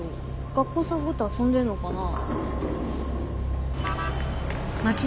学校サボって遊んでんのかな？